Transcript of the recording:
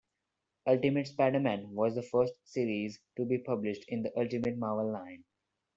"Ultimate Spider-Man" was the first series to be published in the Ultimate Marvel line.